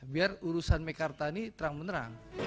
biar urusan mekarta ini terang menerang